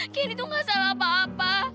candy tuh gak salah apa apa